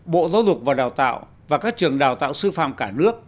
bộ giáo dục và đào tạo và các trường đào tạo sư phạm cả nước